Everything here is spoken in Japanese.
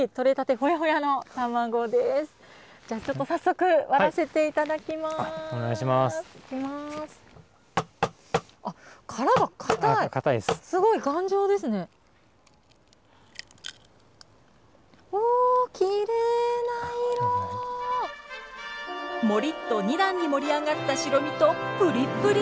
モリっと２段に盛り上がった白身とプリップリの黄身。